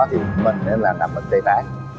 thì mình nó nằm bên tay trái